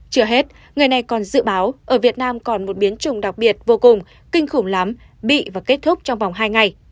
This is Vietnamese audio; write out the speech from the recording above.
chưa hết người này còn dự báo ở việt nam còn một biến chủng đặc biệt vô cùng kinh khủng lắm bị và kết thúc trong vòng hai ngày